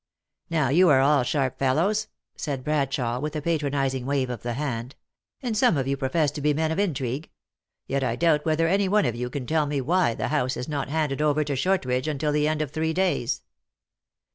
" Now, you are all sharp fellows," said Bradshawe, with a patronizing wave of the hand ; "and some of you profess to be men of intrigue ; yet I doubt whether any one of you can tell me why the house is not handed over to Shortridge until at the end of three days."